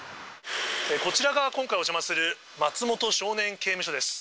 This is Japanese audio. こちらが今回、お邪魔する松本少年刑務所です。